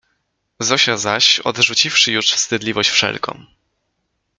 Zosia zaś odrzuciwszy już wstydliwość wszelką